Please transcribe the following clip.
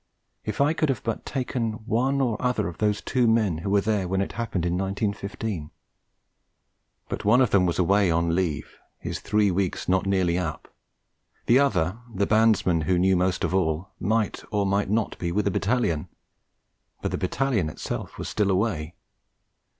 If I could but have taken one or other of those two men who were there when it happened in 1915! But one of them was away on leave, his three weeks not nearly up; the other, the bandsman who knew most of all, might or might not be with the Battalion; but the Battalion itself was still away.